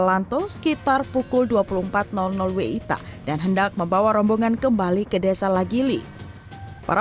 lanto sekitar pukul dua puluh empat wita dan hendak membawa rombongan kembali ke desa lagili para